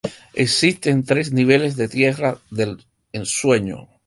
Existen tres niveles de Tierras del Sueño.